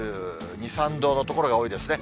２２、３度の所が多いですね。